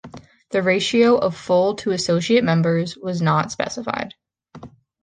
The ratio of full to associate members was not specified.